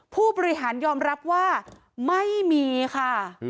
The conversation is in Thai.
ผู้บริหารยอมรับว่าไม่มีค่ะ